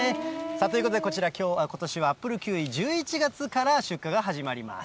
ということでこちら、ことしはアップルキウイ、１１月から出荷が始まります。